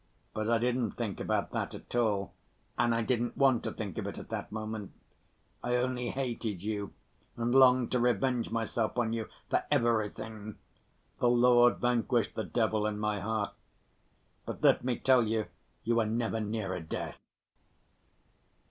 But I didn't think about that at all, and I didn't want to think of it at that moment. I only hated you and longed to revenge myself on you for everything. The Lord vanquished the devil in my heart. But let me tell you, you were never nearer death."